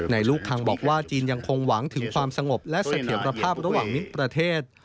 ลูกคังบอกว่าจีนยังคงหวังถึงความสงบและเสถียรภาพระหว่างมิตรประเทศ